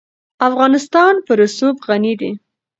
افغانستان په رسوب غني دی.